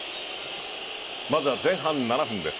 まずは前半７分です。